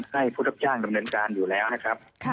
ให้ผู้รับจ้างดำเนินการอยู่แล้วนะครับ